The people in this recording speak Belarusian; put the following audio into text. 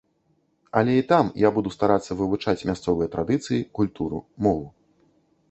Але і там я буду старацца вывучаць мясцовыя традыцыі, культуру, мову.